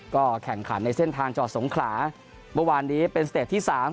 ก็แข่งขันในเส้นทางจอดสงขลาเมื่อวานนี้เป็นสเตจที่๓